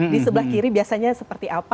di sebelah kiri biasanya seperti apa